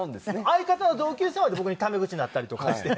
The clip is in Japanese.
相方の同級生まで僕にタメ口になったりとかして。